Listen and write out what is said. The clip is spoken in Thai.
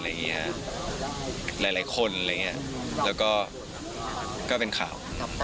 หลายคนอะไรอย่างนี้แล้วก็ก็เป็นข่าว